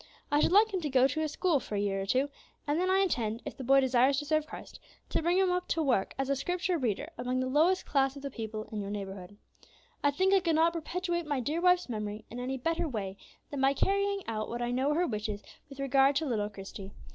I should like him to go to school for a year or two and then I intend, if the boy desires to serve Christ, to bring him up to work as a Scripture reader amongst the lowest class of the people in your neighborhood. "I think I could not perpetuate my dear wife's memory in any better way than by carrying out what I know were her wishes with regard to little Christie.